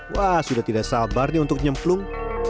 wah sudah tidak sabar nih untuk nyemplung